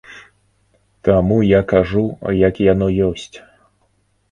Таму я кажу, як яно ёсць!